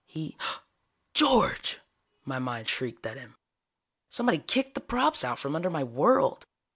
He ... George!_ my mind shrieked at him. Somebody kicked the props out from under my world.